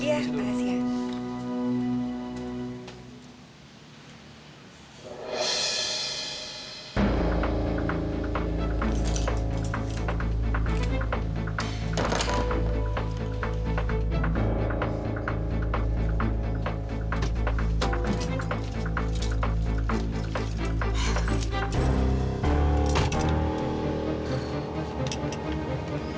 terima kasih mbak